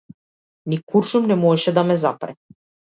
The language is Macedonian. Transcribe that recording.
Ни куршум не можеше да ме запре.